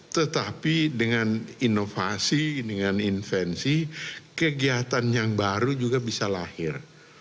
tetapi dengan inovasi dengan invensi kegiatan yang baru juga bisa lahir